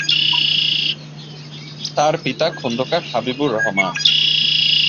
তার পিতা খন্দকার হাবিবুর রহমান।